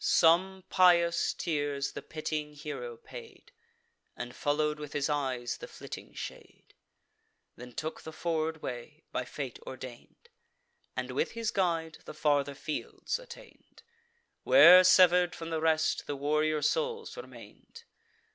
Some pious tears the pitying hero paid, And follow'd with his eyes the flitting shade, Then took the forward way, by fate ordain'd, And, with his guide, the farther fields attain'd, Where, sever'd from the rest, the warrior souls remain'd.